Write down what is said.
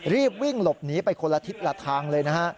รีบวิ่งหลบหนีไปคนละทิศละทางเลยนะฮะ